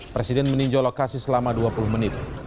presiden meninjau lokasi selama dua puluh menit